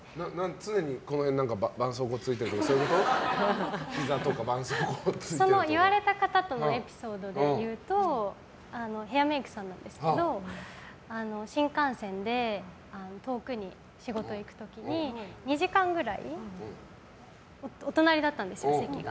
常に、ひざとか絆創膏ついてるとか言われた方とのエピソードでいうとヘアメイクさんなんですけど新幹線で遠くに仕事に行く時に２時間くらいお隣だったんですよ、席が。